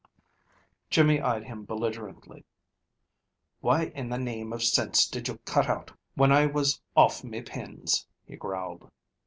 Jimmy eyed him belligerently. "Why in the name of sinse did you cut out whin I was off me pins?" he growled.